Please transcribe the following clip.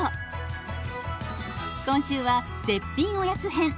今週は絶品おやつ編。